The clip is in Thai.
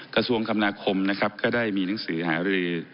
กระทรวงคำนาคมนะครับก็ได้มีหนังสือหารือ